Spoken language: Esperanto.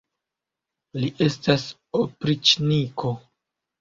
Li estas opriĉniko.